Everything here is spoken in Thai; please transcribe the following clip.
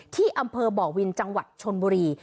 ที่อำเภอบ่อวินจังหวัดชนบุรี